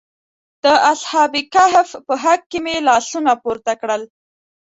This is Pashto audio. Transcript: د اصحاب کهف په حق کې مې لاسونه پورته کړل.